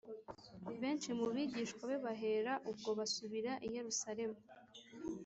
benshi mu bigishwa be bahera ubwo basubira i yerusalemu